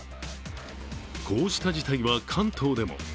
こうした事態は、関東でも。